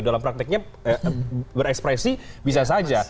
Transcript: dalam prakteknya berekspresi bisa saja